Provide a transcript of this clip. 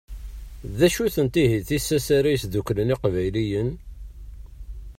D acu-tent ihi tissas ara yesdukklen Iqbayliyen?